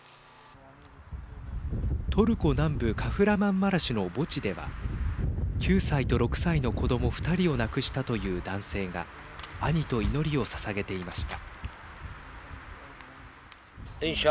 トルコ南部カフラマンマラシュの墓地では９歳と６歳の子ども２人を亡くしたという男性が兄と祈りをささげていました。